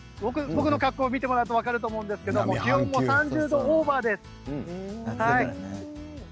僕の格好、見ていただいて分かると思うんですが気温も３０度オーバーです。